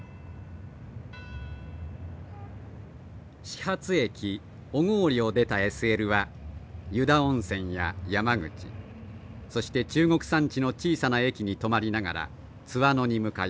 始発駅小郡を出たＳＬは湯田温泉や山口そして中国山地の小さな駅に止まりながら津和野に向かいます。